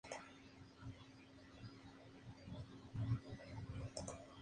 La causa real de este fenómeno no es segura.